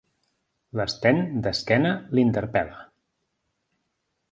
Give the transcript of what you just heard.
L'Sten, d'esquena, l'interpel.la.